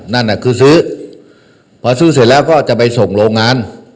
นั่นน่ะคือซื้อพอซื้อเสร็จแล้วก็จะไปส่งโรงงาน